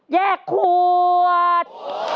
แยกขวด